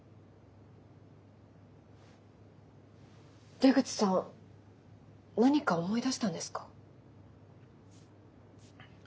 出口さん何か思い出したんですか？